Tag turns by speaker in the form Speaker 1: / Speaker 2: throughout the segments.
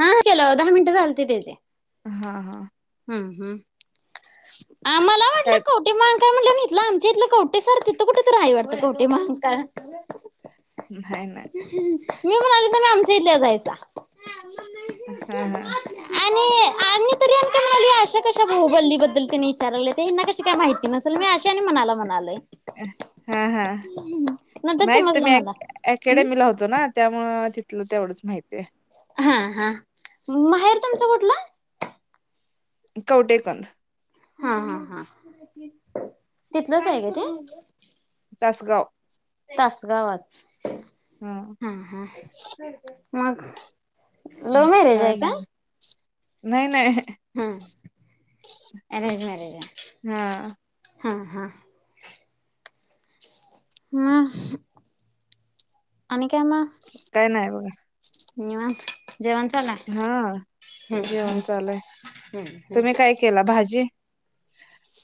Speaker 1: हा केलो दहा मिनट झालती त्याचे
Speaker 2: हा हा
Speaker 1: हम्म हम्म आ मला वाटलं
Speaker 2: काय
Speaker 1: कवठेमहांकाळ म्हटल्यावर इथ इथलं आमच्या इथलं कवटे सार तिथं कुठे तर हाय वाटतं कवटेमहाका
Speaker 2: नाही, नाही.
Speaker 1: मी म्हणाले कनाय आमच्या त्या जायचा
Speaker 2: हा हा
Speaker 1: आणि आणि तरी [unintelligible] मुली आशा कशा भाहू बल्लीबद्दल तिनी विचारले ते हयाना कशी काय माहिती नसेल मी अशा ह्यांनी म्हनाला म्हणालय
Speaker 2: हा हा
Speaker 1: नंतर
Speaker 2: नाहीच तुम्ही
Speaker 1: समजलं मला.
Speaker 2: अकॅ डमीला होतो ना त्यामुळ अ तिथलं तेवढंच माहित
Speaker 1: हा हा माहेर तुमचं कुटलं?
Speaker 2: कौटेकंद
Speaker 1: हा हा हा तिथलंच आहे काय ते?
Speaker 2: तासगाव
Speaker 1: तासगावात
Speaker 2: हां,
Speaker 1: हा हा मग लव्ह
Speaker 2: हम्म
Speaker 1: मॅरेज
Speaker 2: काय नाय नाय नाय.
Speaker 1: हा अरेंज मॅरेज
Speaker 2: हां,
Speaker 1: आहे. हां हां हं आणि काय मग निवांत जेवण झालं
Speaker 2: हा
Speaker 1: हम्म
Speaker 2: जेवण
Speaker 1: हम्म
Speaker 2: चालुया आहे तुम्ही काय केला भाजी?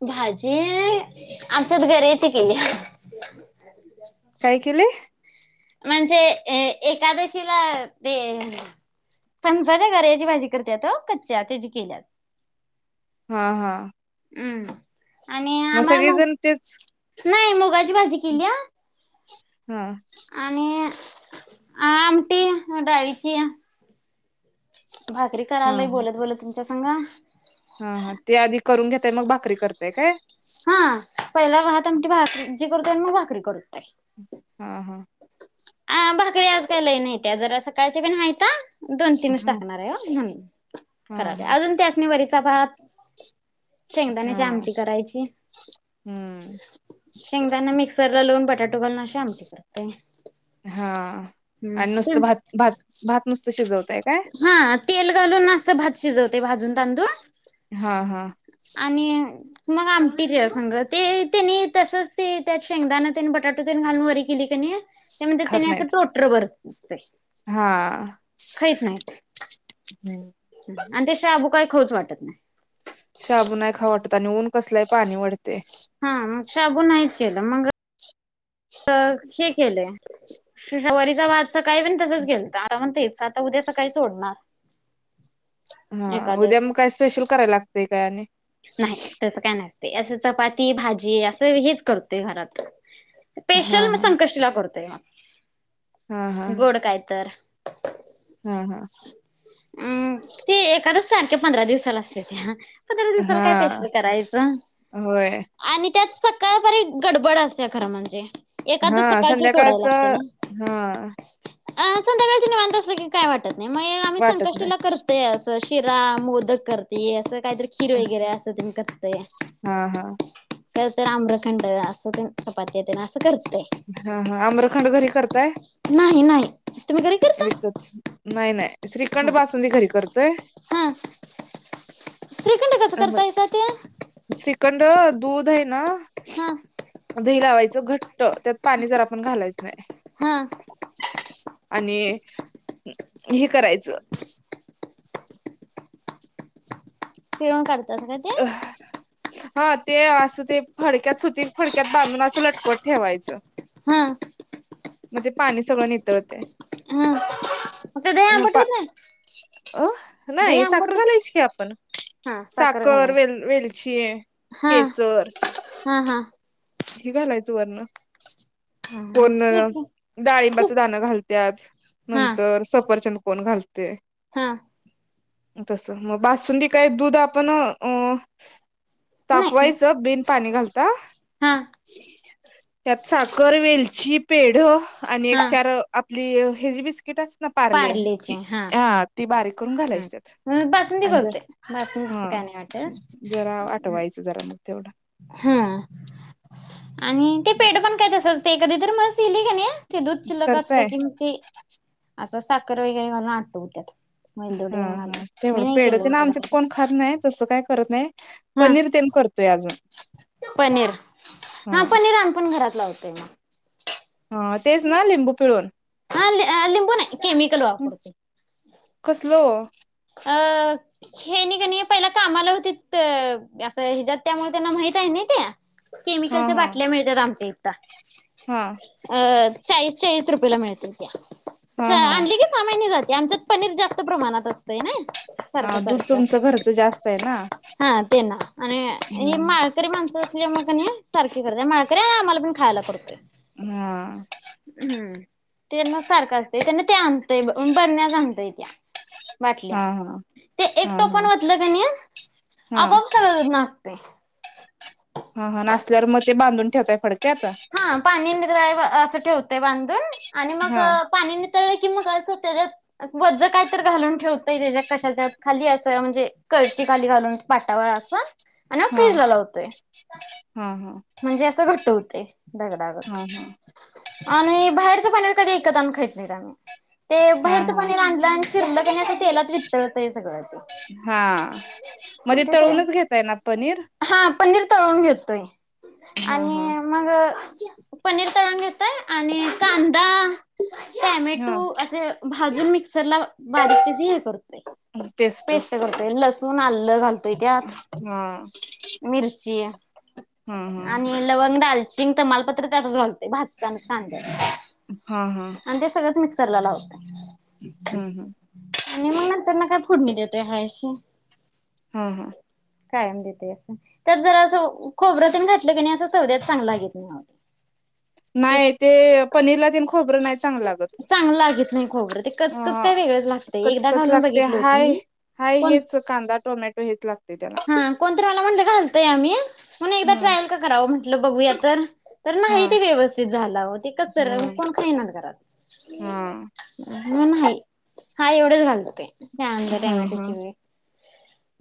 Speaker 1: भाजी आमच्यात गऱ्याची केली.
Speaker 2: काय केलय?
Speaker 1: म्हणजे अ एकादशीला ते फणसाच्या गऱ्याची भाजी करत्यात ओ कच्च्या त्या जी केल्यात
Speaker 2: हा हा
Speaker 1: अम्म आणि आम्हाला मग
Speaker 2: सगळेजण तेच
Speaker 1: नाही मुगाची भाजी केलीया
Speaker 2: हां,
Speaker 1: आणि आ आमटी डाळीची भाकरी करालोय बोलत बोलत मी च्या संगा
Speaker 2: हा हा ते आधी करून घेताय मग भाकरी करताय काय?
Speaker 1: हा पहिला भात, आमटी, भाकरी ते करतोय नं मग भाकरी करतोय.
Speaker 2: हा, ह
Speaker 1: अ भाकरी आज काय लयी नाहीत्या जरा सकाळच्या पण हायता. दोन तीनच
Speaker 2: हां,
Speaker 1: टाकणार आहे हो म्हणून
Speaker 2: हां,
Speaker 1: करालोय अजून त्यासनी वरी चा भात शेंगदाण्याची
Speaker 2: हम्म,
Speaker 1: आमटी करायची
Speaker 2: हम्म.
Speaker 1: शेंग दान मिक्सरला लावून बटाटू पण [unintelligible] आमटी करते
Speaker 2: हा
Speaker 1: हम्म
Speaker 2: आणि
Speaker 1: ते
Speaker 2: नुसतं भात भात भात नुस [unintelligible]
Speaker 1: हा तेल घालून असं भात शिजवते, भाजून तांदूळ.
Speaker 2: हा हा
Speaker 1: आणि मग आमटी तेज्यासंग ते तेनी तसच ते त्यात शेंगदाणं तेन बटाटू तेन घालून वरी केली कनी त्यामध्ये
Speaker 2: खात
Speaker 1: तेनी असं
Speaker 2: नाहीत
Speaker 1: टोटर बसतय
Speaker 2: हा
Speaker 1: खहीत नाहीत. आणि ते शाबू काही खऊच वाटत नाही.
Speaker 2: शाबू नाही खाऊ वाटत आणि ऊन कसलंय पाणी वढतय.
Speaker 1: हा मग शाबू नाहीच केलं. मग हे केलंय शवरीचा भात सकाळी पण तसच गेलत आता पण तेच आता उद्या सकाळी सोडणार.
Speaker 2: हा उद्या
Speaker 1: एकादस
Speaker 2: मग काय स्पेशल कराय लागतय काय आणि
Speaker 1: ते असं चपाती भाजी असं हेच करतोय घरात.
Speaker 2: हा
Speaker 1: पेशल म
Speaker 2: हा
Speaker 1: संकष्टीला करतोय. मग
Speaker 2: हा हा
Speaker 1: गोड कायतर. [unintelligible]
Speaker 2: हा हा
Speaker 1: दरोज सारख्या पंधरा दिवसाला असत्याता दिवसाल काय
Speaker 2: हा
Speaker 1: पेशल करायचं
Speaker 2: होय
Speaker 1: आणि त्यात सकाळपारी गडबड असत्या खरं म्हणजे
Speaker 2: हा
Speaker 1: एकादस सकाळची सोडायला
Speaker 2: संध्याकाळच
Speaker 1: लागते ना
Speaker 2: हं
Speaker 1: अ संध्याकाळच निवांत असलं कि काय वाटत नाही म हे आमी
Speaker 2: वाटत नाही
Speaker 1: संकष्टीला कर हे असं शिरा, मोदक करते असं कायतर खीर वगैरे अस तेन कर [unintelligible]
Speaker 2: हा हा
Speaker 1: तर तर आम्रखंड असं चपात्या तेन असं कर
Speaker 2: हा हा. आम्रखंड घरी करताय?
Speaker 1: नाही नाही तुम्ही घरी करता?
Speaker 2: विकत नाही नाही श्रीखंड,
Speaker 1: नाही
Speaker 2: बासुंदी घरी कर तर.
Speaker 1: हा श्रीखंड कसं
Speaker 2: आ
Speaker 1: करतायसा ते?
Speaker 2: श्रीखंड. दूध हाय ना.
Speaker 1: हा
Speaker 2: दही लावायचं घ त त्यात पाणी जरा पण घालायचं नाही.
Speaker 1: हा
Speaker 2: आणि हे करायचं.
Speaker 1: पिळून काढ तसं काय ते
Speaker 2: हा. ते असं ते फडक्यात सुती फडक्यात बांधून असं लटकवत ठेवायचं.
Speaker 1: हा.
Speaker 2: म्हणजे पाणी सगळं नितळतय.
Speaker 1: हा मग ते दही आंबट
Speaker 2: पा
Speaker 1: होईत नाही?
Speaker 2: अ
Speaker 1: दही
Speaker 2: नाही साखर
Speaker 1: आंबट
Speaker 2: घालायची की आपण
Speaker 1: हा
Speaker 2: सा
Speaker 1: साखर
Speaker 2: कर
Speaker 1: घालाय
Speaker 2: वेल वेलची आहे
Speaker 1: हा
Speaker 2: केसर.
Speaker 1: हा हा
Speaker 2: ही घालायचं वरन
Speaker 1: हा
Speaker 2: कोण
Speaker 1: श्रीखंड
Speaker 2: डाळिंबाचं दाणं घालत्यात
Speaker 1: हा
Speaker 2: नंतर सफरचंद कोण घालतय.
Speaker 1: हा
Speaker 2: तसं मग बासुंदी काय दूध आपण अ..
Speaker 1: नाही
Speaker 2: तापवायचं बिन पाणी घालता.
Speaker 1: हा.
Speaker 2: त्यात साखर, वेलची, पेढं आणि एक,
Speaker 1: हा
Speaker 2: चार आप ली हेजी बीच बिस्किट असतात ना पारले ती हा ती बारीक करून
Speaker 1: हा
Speaker 2: घालायच त्यात,
Speaker 1: मी बासुंदी
Speaker 2: आणि ज
Speaker 1: करतोय बासुंदीच
Speaker 2: हा
Speaker 1: काय नाही वाटत
Speaker 2: जरा आठवायचं जरा मग तेवढं.
Speaker 1: हा. आणि ते पेढ पण काय तसचं. ते कधी तर म्हस येली कणी ते दुध शिल्लक असलं
Speaker 2: करताय
Speaker 1: की मग ते असं सा कर वगैरे घालून आठवत्यात.
Speaker 2: हा हा तेवढं पेढ, ते ना
Speaker 1: सोडा
Speaker 2: आमच्यात
Speaker 1: कधी
Speaker 2: कोण खात नाही, तसं काही करत नाय
Speaker 1: हा
Speaker 2: पनीर तेन करतोय अजून.
Speaker 1: पनीर. हां
Speaker 2: हा
Speaker 1: पनीर आम्हीपण घरात लावतय म
Speaker 2: हां. तेच ना लिंबू पिळून?
Speaker 1: हां ह अ लिंबू नाही. केमिकल वापरतोय
Speaker 2: कसलं वो?
Speaker 1: अ, हेनीकणी पहिला कामाला होतीत असं हेच्यात त्यामुळे त्यांना माहित हायनी ते
Speaker 2: हा
Speaker 1: केमिकलच्या
Speaker 2: हा
Speaker 1: बाटल्या मिळत्यात आमच्या [unintelligible]
Speaker 2: हा
Speaker 1: अ अ चाळीस चाळीस रुपयला मिळत्यात
Speaker 2: हा
Speaker 1: त्या.
Speaker 2: हा
Speaker 1: अ आणली की साहा महिने झालं यांच्यात पनीर जास्त प्रमाणात असतं. ते नाही. सारखं,
Speaker 2: हा दूध
Speaker 1: सारखं,
Speaker 2: तुमचं घरचं जास्त आहे ना
Speaker 1: हा ते ना आणि हे
Speaker 2: हम्म
Speaker 1: माळकरी माणसं असल्यामुळ कनी सारखी करतीया. माळकरी आणि आम्हाला पण खायाला करतोय.
Speaker 2: हम.
Speaker 1: तेना सारखं असत त्यांना ते आणतय बरण्याच आणतोय त्या बाटल्या
Speaker 2: हा हा
Speaker 1: ते एक
Speaker 2: हा
Speaker 1: टोपण
Speaker 2: हा
Speaker 1: वतलं कनि
Speaker 2: हा
Speaker 1: आपोआप सगळ नासतय
Speaker 2: हा हा नासल्यावर मग ते बांधून ठेवताय फडक
Speaker 1: हा पाणी नितळायं अ असं ठेवतोय बांधून आणि मग
Speaker 2: हा
Speaker 1: पाणी नितळलं की मग असं त्याच्यात वझं काय तर घालून ठेवतोय त्याच्या कशाच्या खाली असं म्हणजे कळशी खाली घालून पाटावर असं आणि मग
Speaker 2: हा
Speaker 1: फ्रीजला लावतोय
Speaker 2: हा हा
Speaker 1: म्हणजे असं घट्ट होतंय
Speaker 2: हा
Speaker 1: दगडागत
Speaker 2: हा
Speaker 1: आणि बाहेरच पनीर कधी ईकत आणून खाइत नाही आम्ही ते
Speaker 2: हा
Speaker 1: बाहेरचं
Speaker 2: हा
Speaker 1: पणीर आणलं आणि चिरलं कणी असं तेलात वितळतयं सगळं
Speaker 2: हा मग
Speaker 1: ते [unintelligible] ते
Speaker 2: तळूनच घेताय ना पनीर
Speaker 1: हा पनीर तळून घेतोय
Speaker 2: हा हा
Speaker 1: आणि मग पनीर तळूण घेतोय आणि कांदा
Speaker 2: हा
Speaker 1: टामॅटो असं भाजून मिक्सरला बा बारीक त्याची हे करतोय पेस्ट करतोय. लसूण, आलं घालतोय त्यात
Speaker 2: हा
Speaker 1: मिरची
Speaker 2: हम्म, हम्म.
Speaker 1: आणि लवंग दालचिंग, तमालपत्र त्यातच घालतोय भाजताना कांद्यात
Speaker 2: ह्अ हा, हा.
Speaker 1: सरला लावा
Speaker 2: हम् हम.
Speaker 1: आणि मग नंतर ना काय फोडणी देतोय हाय अशी
Speaker 2: हा हा.
Speaker 1: कायम देतोय असं. त्यात जरा असं ऊ खोबर तेन घातलं कणी असं [unintelligible] चांगलं [unintelligible]
Speaker 2: नाही
Speaker 1: तेच
Speaker 2: ते पनीरला ते खोब र नाही चांगल लागतं.
Speaker 1: चांगलं लागत नाही खोबरं ते कचकच
Speaker 2: अह्
Speaker 1: काय वेगळंच लागतंय एकदा
Speaker 2: -कचकच
Speaker 1: घालून
Speaker 2: लागते,
Speaker 1: बघितलं होतं
Speaker 2: हाय
Speaker 1: मी
Speaker 2: हाय
Speaker 1: कोण
Speaker 2: हेच कांदा टोमॅटो हेच लागतंय.
Speaker 1: हा कोणतरी आल म्हणलं घाल ते आम्ही म्हणून एकदा
Speaker 2: हम्म
Speaker 1: ट्रायल तर करावं म्हंटलं बघूया तर, तर
Speaker 2: हा
Speaker 1: नाही ते व्यवस्थित झालं अहो, ते कसंतरी झालं
Speaker 2: हम्म
Speaker 1: कोण खाईना घरात.
Speaker 2: हा
Speaker 1: - मग नाही हा एवढ घालं कांद,
Speaker 2: हा
Speaker 1: टामॅटो
Speaker 2: हा
Speaker 1: ची भी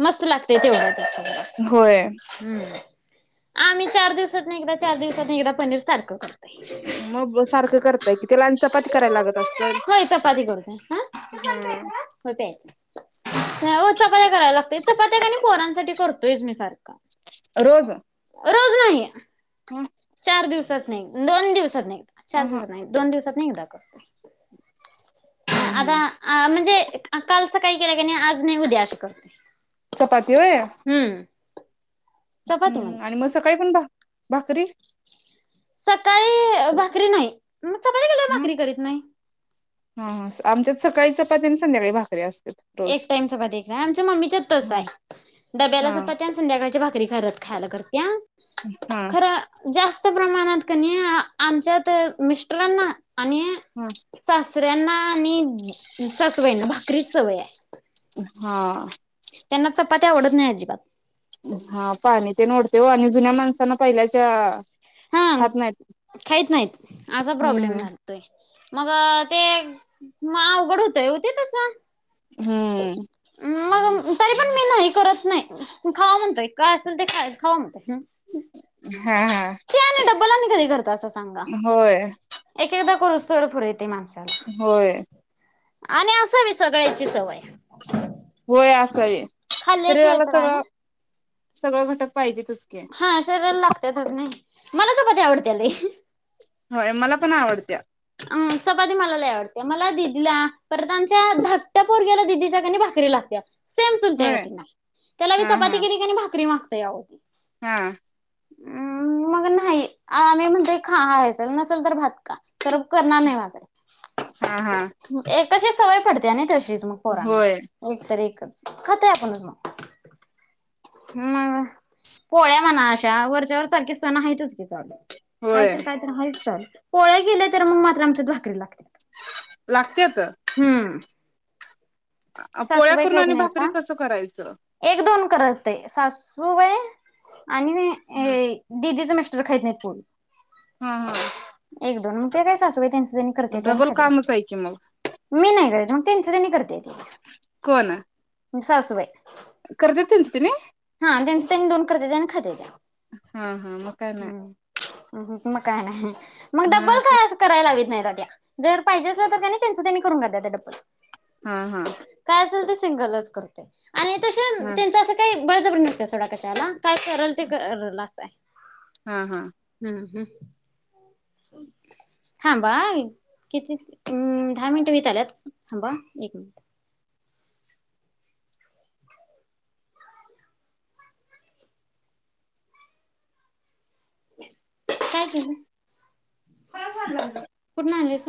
Speaker 1: मस्त लाग तय तेवढंच कि
Speaker 2: होय.
Speaker 1: आम्ही चार दिवसातंन एकदा चार दिवसातंन एकदा पनीर सारखं करतोय
Speaker 2: मग ब सारखं करत्याय कि तू
Speaker 1: होय चपाती करतोय. ह्?
Speaker 2: हम्म
Speaker 1: होय प्यायचं. होय चपात्या कराय लागतेय चपात्या कणी पोरांसाठी करतोय मी सारखी
Speaker 2: रोज.
Speaker 1: नाही
Speaker 2: हं.
Speaker 1: चार दिवसात नाही. दोन दिवसात नाही. चार दिस
Speaker 2: अहं
Speaker 1: दोन दिवसात- [unintelligible]
Speaker 2: हम्म
Speaker 1: आता,
Speaker 2: हम्म
Speaker 1: आ म्हणजे काल सक - काही केलं का नाही, आज नाही उद्या असं करते.
Speaker 2: चपाती होय?
Speaker 1: हम्म चपाती
Speaker 2: हम्म
Speaker 1: म्हणत
Speaker 2: आणि मग सकाळी पण [unintelligible] भाकरी?
Speaker 1: सकाळी- भाकरी नाही. म चपाती केल्यावर
Speaker 2: हम्म
Speaker 1: भाकरी करत नाही.
Speaker 2: हा. ह. आमच्यात सकाळी चपाती आणि संध्याकाळी भाकरीे अस-
Speaker 1: एक टाइम चपाती करा, आमच्या मम्मीच तसं
Speaker 2: हा
Speaker 1: आहे डब्याला
Speaker 2: हा
Speaker 1: चपाती या संध्याकाळची भाकरी करत खायला करत. त्यां
Speaker 2: हा
Speaker 1: खरं जास् त प्रमाणात कनी आमच्यात मिस्टरांना आणि
Speaker 2: हा
Speaker 1: सासू सासऱ्यांना आणि सासूबाईंना भाकरीस सवय हाय. ह
Speaker 2: हा.
Speaker 1: त्यांना चपाती आवडत नाही अजिबात.
Speaker 2: हा पाणी तेन ओडतोय हो आणि जुन्या माणसांना पहिल्याच्या
Speaker 1: हा
Speaker 2: खात नाहीत
Speaker 1: खाहीत नाहीत असा प्रॉब्लेम
Speaker 2: हम्म
Speaker 1: झालतोय. मग ते म अवघड होतय हो ते तसं.
Speaker 2: हम्म.
Speaker 1: मग तरी पण मी नाही करत नाही खावा म्हणतोय काय असेल ते काय खाया खावा म्हणतोय हम्म.
Speaker 2: हा हा
Speaker 1: ते आणि डब्बल आणि कधी करतात असं सांगा,
Speaker 2: होय
Speaker 1: एक-एकदा करूसतर फुरे ते माणसाला
Speaker 2: होय
Speaker 1: आणि असावी सगळ्याची सवय आहे.
Speaker 2: होय असावी,
Speaker 1: खाल्ल्याशिवाय
Speaker 2: शरीराला
Speaker 1: तर
Speaker 2: सगळं
Speaker 1: आहे
Speaker 2: सगळं घटक पाहिजे
Speaker 1: हा शरीरा लाग त्यातच नाही, मला चपाती आवडत्या लई.
Speaker 2: होय मला पण आवडत्या
Speaker 1: अं चपाती मला लई आवडत्या मला दिदीला परत आमच्या धाकट्या पोरग्याला दिदीच्या कणी भाकरी लागत्या. सेम चुलत्या ग
Speaker 2: होय
Speaker 1: तिला त्याला ती
Speaker 2: हा
Speaker 1: चपाती
Speaker 2: हा
Speaker 1: केली की भाकरी माग ते आहो.
Speaker 2: हा.
Speaker 1: हम्म, मग नाही आम्ही म्हणतोय खा हाय असेल नसेल तर भात खा. कर करणार नाही भाकऱ्या.
Speaker 2: हा हा
Speaker 1: एकशी सवय पडते त्यांने तशीच मग पोरांना
Speaker 2: होय
Speaker 1: एक तर एक. खत आहे आपणच मग हम्म मग. पोळ्या म्हणा अशा वर्ष त्याच्यावर सारखे सण आहेतच की चालू.
Speaker 2: होय
Speaker 1: कायतरी कायतरी ह्याचं चालू. पोळ्या केल्यात. तर म मात्र आमच्यात भाकरी लागते.
Speaker 2: लागतेच.
Speaker 1: हम्म
Speaker 2: पोळ्या
Speaker 1: सासूबाई
Speaker 2: करून
Speaker 1: खाईत
Speaker 2: आणि भाकरी कसं करायचं.
Speaker 1: करते सासू बाई करते आणि दिदीचं मिस्टर दुसरा खात नाहीत कोण
Speaker 2: हा हा
Speaker 1: एक दोन मग ते काय सासूबाई त्यांच त्यांनी करते आणि
Speaker 2: डबल
Speaker 1: खात्यात.
Speaker 2: कामच आहे की मग
Speaker 1: मी नाही करते मग तीनच त्यांनी करतेेत.
Speaker 2: कोण?
Speaker 1: सासूबाई.
Speaker 2: करते त्याच त्यांनी?
Speaker 1: हा त्यांचं त्यांनी करते दोन खात्यात.
Speaker 2: हा हा मग काय नाही.
Speaker 1: मग काय नाही. मग
Speaker 2: हा
Speaker 1: डब्बल
Speaker 2: ते
Speaker 1: काय असं करायला लावीत नाही. या जर पाहिजे अस तर त्यां त्यांच त्यांनी करून घ्या त्या डबल.
Speaker 2: हा हा.
Speaker 1: सिंगलच करते. आणि तस
Speaker 2: हा
Speaker 1: त्यांच असं काही. बरजबर नसते सोडा कशाला काय कल ते करल असं आहे.
Speaker 2: हा हा.
Speaker 1: हम्म हम्म थांबा हा किती दहा मिनिट होत आल्यात थाबा एक मिनिट काय केलंस कुठून आणलस.